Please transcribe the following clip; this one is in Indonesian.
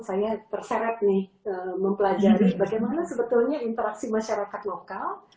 saya terseret nih mempelajari bagaimana sebetulnya interaksi masyarakat lokal